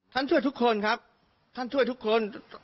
ช่วยทุกคนครับท่านช่วยทุกคน